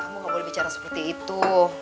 gak ngerti itu